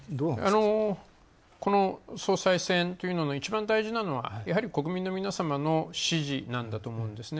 この総裁選というのの一番大事なのは、やはり国民の皆様の支持なんだと思うんですね。